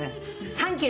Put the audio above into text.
「３キロ？